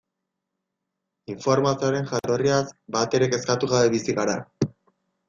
Informazioaren jatorriaz batere kezkatu gabe bizi gara.